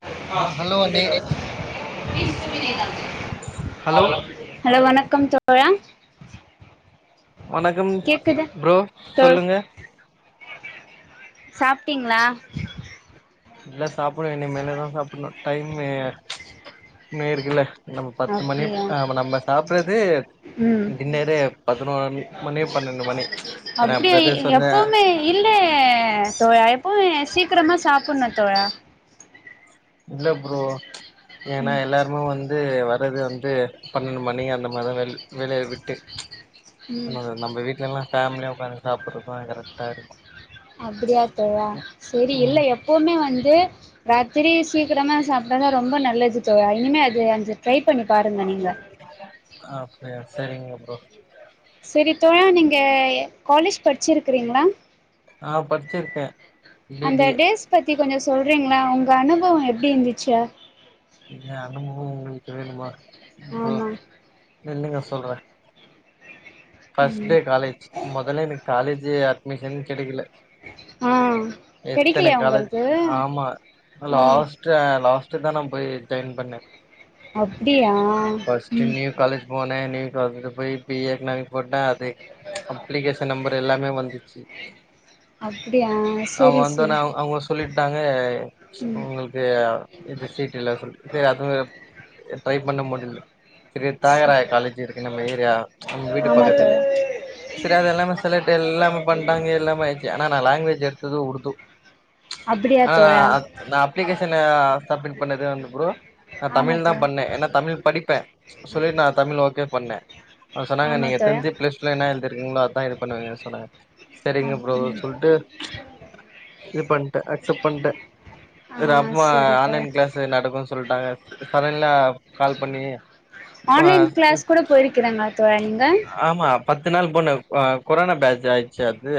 [inaudible] ஆ hello அண்ணே hello hello வணக்கம் தோ தோழா வணக்கம் கேக்குது ப்ரோ தோ சொல்லுங்க சாப்டீங்ளா இல்ல சாப்புன்னு இனி மேலதா சாப்புன்னோ டைம்மு இன்னு இருக்குல்ல நம் பத்து மணி அப்டியா ஆமா நம்ப சாப்றது ம் இது மாரி பதினொரு மணி பன்னெண்டு மணி என்னா அப்டி பிரதர்ஸ் சொன்ன எப்பவுமே இல்ல தோழா எப்பமே சீக்கிரமா சாப்புன்னோ தோழா இல்ல ப்ரோ [inaudible] ஏன்னா எல்லாருமே வந்து வர்றது வந்து பன்னெண்டு மணி அந்த மாரி வேல் வேலய விட்டு ம் இன்னொன்னு நம்ப வீட்லல்லா ஃபேமிலியா உக்காந்து சாப்புறதுதா கரெக்ட்டா இருக்கு அப்டியா தோழா செரி இல்ல ம் எப்பவுமே வந்து ராத்திரி சீக்கிரமா சாப்புட்றது ரொம்பநல்லது தோழா இனிமே அது அஞ்ச ட்ரை பண்ணி பாருங்க நீங்க அப்டியா செரிங்க ப்ரோ செரி தோழா நீங்க காலேஜ் படிச்சிருக்கீங்களா ஆ படிச்சிருக்கே பி அந்த பி ஏ டேஸ் பத்தி கொஞ்சோ சொல்றீங்களா உங்க அனுபவோ எப்டி இருந்துச்ச ஏ அனுபவோ உங்குளுக்கு வேணுமா ப்ரோ ஆமா நில்லுங்க சொல்ற ஃபர்ஸ்ட் டே ம் காலேஜ் மொதல்ல எனக்கு காலேஜே அட்மிஷன் கெடைக்கல ஆ எத்தன கெடைக்கலையா காலஜ் உங்களுக்கு ஆமா ஆ லாஸ்ட் டா லாஸ்ட்டுதா நா போய் ஜாயின் பண்ணே அப்டியா ஃபர்ஸ்ட் ம் நியூ காலேஜ் போன நீயூ காலேஜ் போயி பி ஏ எக்நாமிக் போட்ட அது அப்ளிகேஷன் நம்பர் எல்லாமே வந்துச்சு அப்புடியா செரி செரி அவுங்க சொல்லிட்டாங்க ம் உங்குளுக்கு இது சீட்டுல்ல சொல்லி இது அது ம ட்ரை பண்ண முடில பெரிய தியாகராய காலேஜ் இருக்கு நம்ம ஏரியா நம்ம வீட்டு ஆமா பக்கத்துலயே தோழா செரி அது எல்லாமே சொல்லிட்டு எல்லாமே பண்ட்டாங்க எல்லாம ஆயி ஆன்னா நா லாங்குவேஜு எடுத்தது உருது அப்டியா ஆனா நா தோழா நா அப்ளிகேஷன் சப்மிட் பண்ணது வந்து ஃப்ரோ நா ஆமா தமிழ் தா தோழா பண்ணே ஏன்னா தமிழ் படிப்பே சொல்லி நா தமிழ் ஓகே பண்ணே அவங்க ஆமா சொன்னாங்க தோழா தெரிஞ்சி பிளஸ் டூல என்ன எழுதிருக்கீங்களோ அததா இது பண்ணுவீங்க சொன்னாங்க செரிங்க ஃப்ரோ அப்டி சொல்ட்டு இது பண்ட்டே அக்செப்ட் பண்ட்டே ஆ செரி அப்பறமா செரி தோழா ஆன்லைன் கிளாஸ் நடக்கும்னு சொல்ட்டாங்க தமிழ்ல கால் பண்ணி ஆன்லைன் கிளாஸ் கூட போயிருக்கிறாங்க தோழா நீங்க ஆமா பத்து நாள் போன்னே கொரோனா பேஜ் ஆயிடுச்சு அது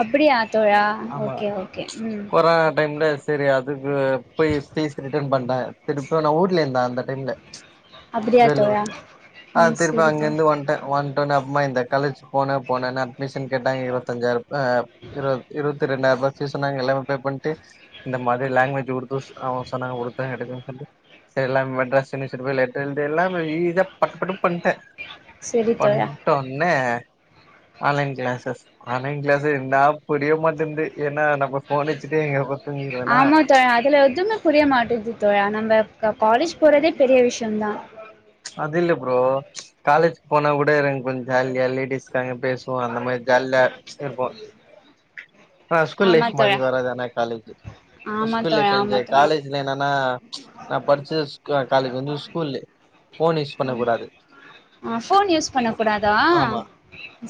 அப்புடியா தோழா ஓகே ஓகே ம் கொரானா டைம்லஸ் செரி அதுக்கு போய் பீஸ் ரிட்டன் பண்ட்ட திருப்ப நா ஊர்ல இர்ந்தே அந்த டைம்ல அப்டியா வேலூர் தோழா ஆ ம் திருப்பி செரி அங்க தோழா இர்ந்து வந்த்ட்டே வன்ட ஒன்னே அப்றமா இந்த காலேஜ் போன போனே ஒன்னே அட்மிஷன் கேட்டாங்க இருவத்தஞ்சாயிரபா இருவத் இருவத் த்தி ரெண்டாயிரபா ஃபீஸுன்னாங்க எல்லாமே பே பண்ட்டு இந்த மாதிரி லாங்குவேஜ் உருது அவ சொன்னாங்க உருது எடுத எடுத்துட்டு செரி எல்லா மெட்ராஸு யூனிவர்சிட்டி போய் லெட்ரு எழுதி எல்லா ஈஸியா பட்டு பட்டுன் பண்ட்டே செரி தோழா பண்ட்டோன்னே ஆன்லைன் கிளாஸஸ் ஆன்லைன் கிளாஸ் என்னா புரியே மாட்டேங்குது ஏன்னா நம்ம ஃபோன் வெச்சுட்டே இங்க போ தூங்கிருவேனா ஆமா தோழா அதுல எதுவுமே புரிய மாட்டுது தோழா நம்ம காலேஜ் போறதே பெரிய விஷ்யோந்தா அது இல்ல ஃப்ரோ காலேஜ் போனா கூட இருக்கும் கொஞ்சோ ஜாலியா லேடிஸ்க்காங்க பேச சோ அந்த மாரி ஜால்யா இருக்கோ ஆ ஸ்கூல் ஆமா லைஃப் மாரி தோழா வராது ஆனா காலேஜு ஆமா ஸ்கூல் தோழா லைஃப் ஆமா என்ஜாய் தோழா காலேஜ் இதுல என்னான்னா நா படிச்சு காலேஜ் வந்து ஸ்கூல்லு ஃபோனு யூஸ் பண்ண கூடாது ஆ ஃபோன் யூஸ் பண்ண கூடாதா ஆமா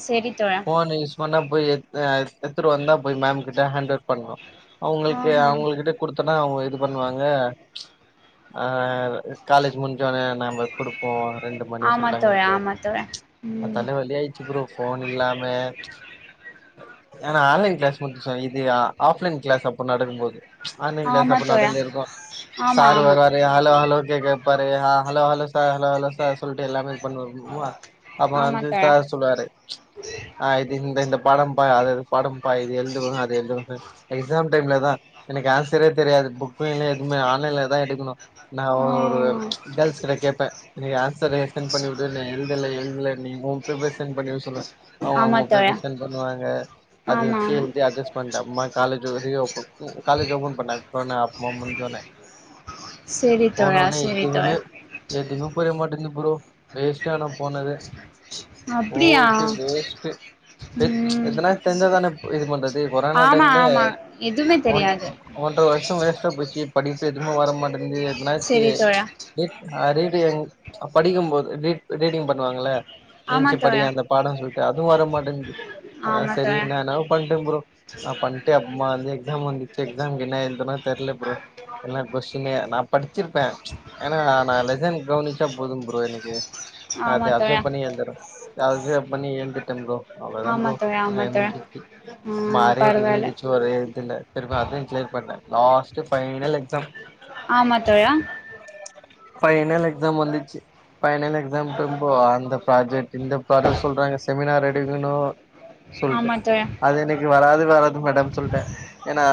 செரி தோழா ஃபோன் யூஸ் பண்ணா போய் எத் அ எத்துட்டு வந்தா போயி மேம்கிட்ட ஹேண்டோவர் பண்ணோ அவுங்குளுக்கு ஆஹா அவுங்களுகிட்ட குடுத்தோனா அவுங்க இது பண்ணுவாங்க ஆ காலேஜ் முடிஞ்சோனே நாம குடுப்போ ரெண்டு மணி ஆமா சொல்ட்டாங்க தோழா இப்போ ஆமா தோழா அ ம் தாலவலி ஆய்ர்ச்சு ப்ரோ ஃபோன் இல்லாம ஏனா ஆன்லைன் கிளாஸ் மட்டு சொ இது ஆ ஆஃப்லைன் கிளாஸ் அப்போ நடக்கும் போது ஆன்லைன் கிளாஸ் ஆமா அப்ப தோழா நடந்திருக்கு ஆமா சாரு ஆமா வருவார் அ ஹலோ ஹலோ கேக் கேப்பாரு ஹா hello hello sir hello hello sir சொல்ட்டு எல்லாமே பண்ணுவோமா அப்ப ஆமா வந்து தோழா சார் சொல்லுவாரு ஆ இது இந்தந்த பாடம் பா அது அது பாடம் பா இது எழுதுங்கோனு அது எழுதுங்கோனு எக்ஸாம் டைம்ல தா எனக்கு ஆன்சரே தெரியாது புக்லைலா எதுமே ஆன்லைன்ல தா எடுக்கணு நா ஆ ஒரு ஒரு கேர்ள்ஸ் கிட்ட கேப்பே நீங்க ஆன்ஸ் சர சென்ட் பண்ணி விடு இன்னு எழுதல எழுதல நீ ஓ பேப்பர் சென்ட் பண்ணி விடு சொல்லுவே அவ்ங்க ஆமா அவ்ங்க தோழா பேப்பர் செண்ட் பண்ணுவாங்க அத ஆமா வெச்சு ஆமா எழுதி அட்ஜஸ் இப்ப அந்த அம்மா காலேஜு ரீஓப்பன் ம் காலேஜ் ஓப்பன் பண்ட்டாங்க ப்ரோ நா அப்பமோ முடிஞ்சோனே சரி தோழா போனோனே சரி எதுவுமே தோழா எதுமே புரிய மாட்டிங்குது ப்ரோ வேஸ்ட்டா நா போனதே அப்டியா டு வேஸ்ட்டு எத் ம் எத்தனா தெரிஞ்சா தானே இது பண்றது கொரோனா ஆமா டைம்ல ஆமா எதுவுமே ஓன்ட் தெரியாது ஒன்ற வர்ஷ வேஸ்ட்டா போச்சு படிப்பு எதுவுமே வர மாட்டிங்குன்து எதுனாச்சு சரி தோழா ரீட் ஆ ரீடிங் படிக்கும்போது ரீட் ரீடிங் பண்ணுவாங்கள ஆமா எந்ச்சு படி தோழா அந்த பாடன் சொல்ட்டு அதுவு வர மாட்டேன்ந்து அதா ஆமா சேரி தோழா என்ன வேணா பண்ட்டு ப்ரோ ஆ பண்ட்டு அப்றமா வந்து எக்ஸாம் வந்துர்ச்சு எக்ஸாம்க்கு என்னா எழுதனு தெர்ல ப்ரோ என்ன கொஸ்டினே நா படிச்சிருப்பே ஏனா நா நா லெசன் கவனிச்சா போது ப்ரோ எனக்கு அத ஆமா தோழா அப்சர்ப் பண்ணி எழுந்துறே அத அப்சர்ப் பண்ணி எழுதிட்டே ப்ரோ அவளதா ஆமா ப்ரோ தோழா ஆமா வேல தோழா முடிஞ்சிருச்சு ஆமா ம் அரியர் பரவால்ல இருந்துச்சு ஒரு இதுல தெரியுமா அதையு கிளியர் பண்ணே லாஸ்ட்டு ஃபைனல் எக்ஸாம் ஆமா தோழா ஃபைனல் எக்ஸாம் வந்துட்ச்சு ஃபைனல் எக்ஸாம் டும்போ அந்த ப்ராஜெக்ட் இந்த ப்ராஜெக்ட் சொல்றாங்க செமினார் எடுக்கணு சொல்ட்டே ஆமா தோழா அது எனக்கு வராது வராது மேடம் சொல்ட்டே ஏனா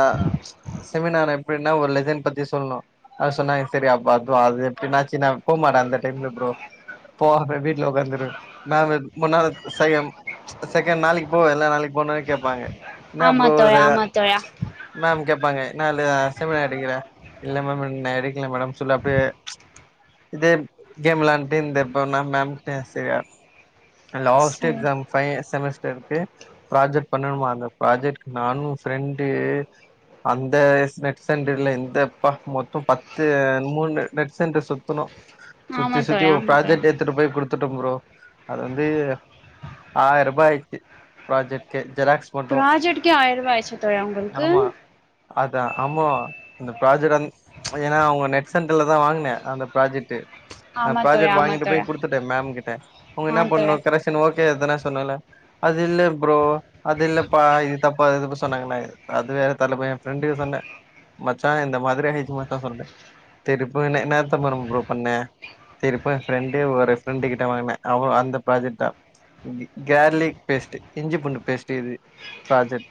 செமினார் எப்டினா ஒரு லெசன் பத்தி சொல்ணு அது சொன்னாங்க சேரி அப்ப அத் ப்ரோ அது எப்டினாச்சு நா போமாட்டே அந்த டைம்ல ப்ரோ போகாம வீட்ல ஒக்காந்துருவே நா வந் முன்னால செய்யம் செகண்ட் நாளைக்கு போவேல நாளைக்கு போனோனே கேப்பாங்க இன்ன ஆமா ப்ரோ தோழா ரெயா ஆமா தோழா மேம் கேப்பாங்க நா இல்லயா செமினார் எடுக்கிறே இல்ல மேம் வந் நா எடுக்கல மேடம் சொல்ல பே இது கேம் விளாண்ட்டு இந்த இப்ப நா மேம் கிட்ட செரியா அ லாஸ்ட் சேரி எக்ஸாம் ஃபை செமஸ்டருக்கு ப்ராஜெக்ட் பண்ணனுமா அந்த ப்ராஜெக்ட்க்கு நானு ஃப்ரெண்டு அந்த நெட் சென்டர்ல இந்த பா மொத்த பத்து ன் மூணு நெட் சென்டர் சுத்துனோ ஆமா சுத்தி சுத்தி தோழா ஒரு ஆமா தோழா ப்ராஜெக்ட் எட்த் த்துட்டு போய் குடுத்துட்டோ ப்ரோ அது வந்து ஆயர்ரூபா ஆயிர்ச்சி ப்ரெஜெக்ட்டு ஜெராக்ஸ் மட்டு ப்ராஜெட்கே ஆயர்ரூபா ஆயிருச்சா தோழா உங்களுக்கு ஆமா அதா ஆமா இந்த ப்ராஜெக்ட் வந் ஏனா அவ்ங்க நெட் சென்ட்ருல தா வாங்குனே அந்த ப்ராஜெக்ட்டு நா ஆமா தோழா ப்ராஜெக்ட் ஆமா வாங்கிட்டு தோழா போய் குடுத்துட்டே மேம் கிட்ட அவ்ங்க ஆ என்னா பண்ணு தோழா க்ரஷ் இத்தன ஓகே எதானா சொன்னால அது இல்ல ப்ரோ அது இல்லப்பா இது தப்பா இதுப்ப சொன்னாங்கன்னா அது வேற தரல எ ஃப்ரெண்டுக்கு சொன்னே மச்சா இந்த மாரி ஆயிருச்சு மச்சா சொன்னே சேரி இப்போ என்ன தப்பு ப்ரோ பண்ணே சரிப்ப என் ஃப்ரெண்டே ஒரு ஃப்ரெண்டு கிட்ட வாங்கினே அவ அந்த ப்ராஜெக்ட் தா கேர்லிக் பேஸ்ட் இஞ்சி புண்டு பேஸ்ட் இது ப்ராஜெக்ட்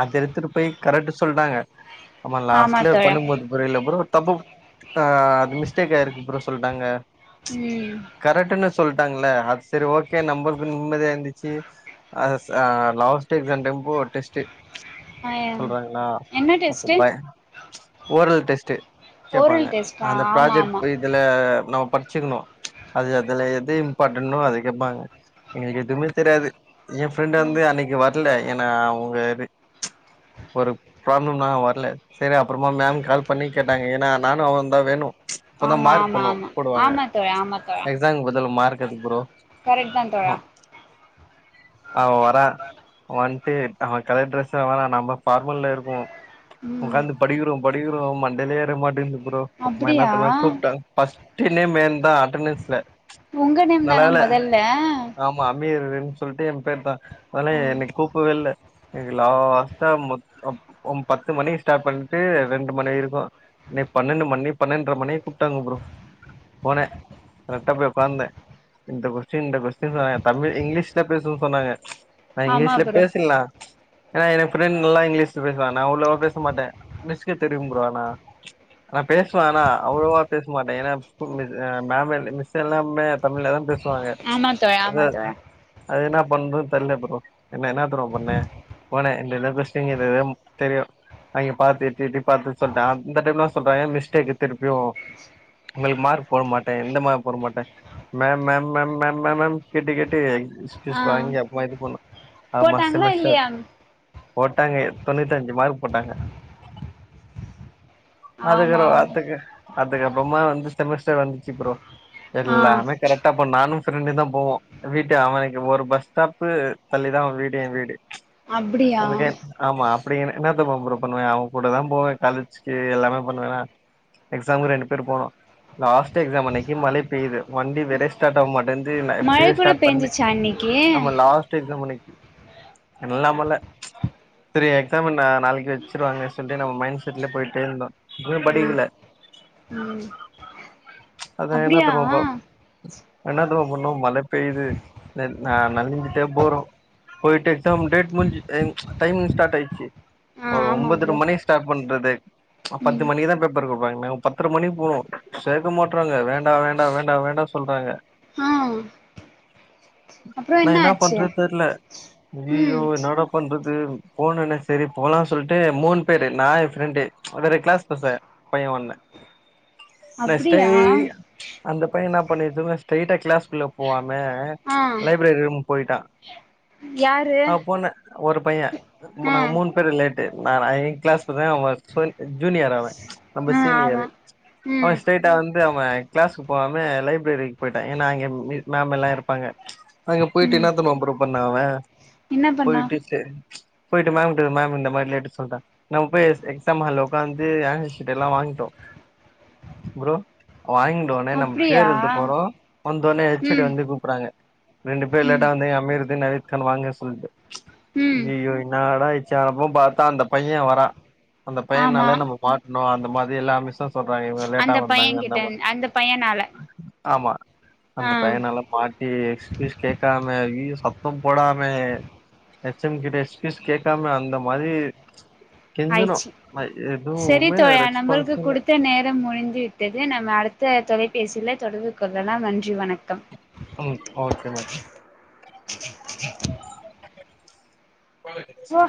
அத எடுத்துட்டு போய் கரெக்ட் சொல்றாங்க நம்ம ஆமா லாஸ்ட்ல தோழா பண்ணும்போது புரிய இல்ல ப்ரோ தப்பு ஆ அது மிஸ்டேக் ஆயிருக்கு ப்ரோ சொல்ட்டாங்க ம் கரெக்டன்னு சொல்லிட்டாங்கள அது செரி ஓகே நம்மளுக்கு நிம்மதியா இருந்துச்சு அ லாஸ்ட் எக்ஸாம் டைம்போ ஒரு டெஸ்ட்டு ச் ஆ சொல்றாங்களா என்ன டெஸ்ட்டு அப்ப ச் ஓரல் டெஸ்ட் கேப்பாங்க ஓரல் டெஸ்ட்டா அந்த ஆமா ப்ராஜெக்ட் ஆமா போயி இதுல நம்ம படிச்சுர்ணு ச் அது அதுல எது இம்பார்ட்டன்டோ அது கேப்பாங்க எங்களுக்கு எதுவுமே தெரியாது என் ஃப்ரெண்ட் ஆ வந்து அன்னைக்கு வர்ல ஏன்னா அவங்க ச் ஒரு ப்ராப்ளம் நா வர்ல செரி அப்புறமா மேம் கால் பண்ணி கே நாங்க நானு அவனுதா வேணு ச் அப்போ தா ஆமா மார்க் ஆமா ஒன்னு ஆமா போடுவாங்க ஆமா தோழா ஆமா [unintelligible] இந்தாங்க ப்ரோ மார்க் எடுத்து ப்ரோ [unintelligible] கரெட் தா தோழா அவ வரார் வந்துட்டு அவ கலர் ட்ரெஸ்ல வரா நம்ம ஃபார்மல்ல இருக்கோ ம் உகாந்து படிக்கிறோ படிக்கிறோ டெலிவரிய மாட்டே இரு ப்ரோ அ அப்டியா என்னத்த மாி கூப்டங்க பஸ்ட் நேம் என்னோடதுதா [unintelligible] ச் உங்க நேம் நல்ல தானா வேல மொதல்ல ஆம் அமீர்ன்னு சொல்லிட்டு என் பேரு தா அத ஆ என்ன கூப்பவே இல்ல லாஸ்ட்டா பத்து மணி ஸ்டார்ட் பண்ணிட்டு ரெண்டு மணி இருக்கு நீ பன்னெண்டு மணி பன்னெண்டரை மணி கூப்பிட்டாங்க ப்ரோ போனே கரெக்டா போய் உக்காந்தே இந்த கொஸ்டின் இந்த கொஸ்டின் சொன்னாங்க தமிழ் இங்கிலீஷ்ல பேசனும்னு சொன்னாங்க நா ஆமா இங்கிலீஷ்ல ப்ரோ பேசிற்லா ஏன்னா என ப்ரெண்ட் நல்லா இங்கிலீஷ்ல பேசுவா நா அவ்ளோவா பேச மாட்டே மிஸ்க்கு தெரியு ப்ரோ ஆனா நா பேசுவே ஆனா அவ்ளவா பேச மாட்டே ஏன்னா மேம் மிஸ் எல்லாமே தமிழ் தா பேச வாங்க ச் ஆமா தோழா அது ஆமா தோழா அது என்ன பண்ணறதுன்னு தெர்ல ப்ரோ என்ன என்ன ப்ரோ பண்ணே போனே இந்த இந்த கொஸ்டின் இது இதுன்னு தெரியு அங்க பார்த்து எட்டி எட்டி பார்த்து சொல்ட்டா இந்த டைம்லா சொல்றே மிஸ்டேக் திருப்பியு உங்களுக்கு மார்க் போட மாட்டே இந்த மாரி போட மாட்டே ma'am ma'am ma'am ma'am ma'am ma'am கேட்டி கேட்டி ஆ எக்ஸ்கூஸ் வாங்கி அப்பமா இது பண்ணோ ஆமா போட்டாங்களா செமஸ்டர் இல்லையா போட்டாங்க தொண்ணூத்தி அஞ்சு மார்க் போட்டாங்க ஆமா அதுக்கறம் ஆமா அதுக்கு அதுக்கப்புறமா வந்து செமிஸ்டர் வந்துச்சு ப்ரோ ஆ எல்லாமே கரெக் ப்ப நானு ஃப்ரெண்டு தா போவோ வீட்டு அவனுக்கு ஒரு பஸ் ஸ்டாப்பு தள்ளிதா அவ வீடு ஏ வீடு ச் அப்டியா அதுக்க ஆமா அப்டி என்னத் தெரியுமா ப்ரோ பண்ணுவே அவ கூட தா போவே காலேஜ்க்கு இது எல்லாமே பண்ணுவேன்னா எக்ஸாம்முக்கு ரெண்டு பேர் போனோ லாஸ்ட் எக்ஸாம் அன்னைக்கு மழை பெயுது வண்டி வேர ஸ்டார்ட் ஆக மாட்டேகு எப்டியே மழ எப்டியோ கூட ஸ்டார்ட் பண்ண பேஞ்சுச்சா இன்னைக்கு நம்ம லாஸ்ட் எக்ஸாம் அன்னைக் இல்லாமல்ல ச் செரி எக்ஸாம் நாளைக்கு வச்சிருவாங்கன்னு சொல்டு நம்ம மைண்ட் உள்ள போயிட்டே இருந்தோ எது ஆ படிக்கல ம் ச் அது என்ன அப்டியா தெரியுமா ஆ ப்ரோ என்ன தா பண்னோ மழ பெயுது நா நனஞ்சிட்டே போறோ போயிட்டு எக்ஸாம் டேட் முஞ்சு டைம் ஸார்ட் ஆயிச்சு ஒரு ஆமா ஒன்பதுரை ப்ரோ மணி பண்றது பத்து ம் மணிக்கு தா பேப்பர் குடுப்பாங்க நாங்க பத்தரை மணிக்கு போவோ சேக்க மாட்டறோங்க வேண்டா வேண்டா வேண்டா வேண்டா சொல்றாங்க ஆ அப்றோ நா என்ன ஆச்சு பண்றது தெர்ல ம் ஐயையோ என்னடா பண்றது போனுனா சேரி போலான்னு சொல்ட்டு மூனுன் பேர்ரு நா ஏ ஃப்ரெண்ட ஒரு கிளாஸ் பச பைய ஒன்னு நெஸ்டே அப்டியா அந்த பைய என்ன பண்ணிச்சுவா ஸ்ரேட்டா கிளாஸ்குள்ள போவாம ஆ லைப்ரரி ரூம் போயிட்டா யாரு நா போன ஒரு பைய ஆ நாங்க மூணு பேர் லேட்டு நா நா ஐ கிளாஸ் பசங்க அவ ஹஸ்பண்ட் ஜூனியர் அவ நம்ம ஆ ஆமா சீனீயரு அவ ம் ஸ்டேட் கிட்ட வந்து அவன் கிளாஸக்கு போவம லைப்ரரிக்கு போயிட்டா ஏனா அங்க மிர் மேம் எல்லா இருப்பாங்க அங்க போயிட்டு ம் என்னாத்தம்ம வம்பரு பண்ணா அவ என்ன பண்ணா போயிட்டு சே போயிட்டு மேம்ட மேம் இந்த மாரி லேட்டு சொல்ற நம்ம போய் எக்ஸ் எக்ஸாம் ஹால்ல உக்கா ஆன்சர் ஷீட் எல்லா வாங்கிடோ ப்ரோ வாங்கிடோனே நம்ம பேர் அப்டியா எழுத்து போறோ வந்தோடனே ஹெச்சோடி ம் வந்து கூப்றாங்க ரெண்டு பேர் ம் லேட்டாவந்தேய அமீர்தின் நவீத் கன்னுவாங்க சொல்ட்டு ம் இயயோ என்னாடா இச்சா அப்ப பாத்தா அந்த பைய வரா அந்த ஆமா பையனால நம்ம மாட்னோ அந்த மாதிரி எல்லா மிஷ்சஸ் சொல்றாங்க இவங்க லேட்டா அந்த வந்தாங்க பையன்கிட்ட என்னமா அந்த பையனால ஆமா ஆ அந்த பையனால்ல மாட்டி எக்ஸ்க்யூஸ் கேட்காம ஜயயோ சத்தம் போடாம எச்எம் கிட்ட எஸ்கியூஸ் கேட்காம அந்த மாதிரி ஆயிச்சி சேரி எதுவுமே தோழா ரெஸ்பான்ஸ் நம்மளுக்கு இல்ல குடுத்த நேரம் முடிந்து வி ட்டது நம்ம அடுத்த தொலைபேசியில தொடர்பு கொள்ளலா நன்றி வணக்கம் ம் ஓகே மாட் [unintelligible]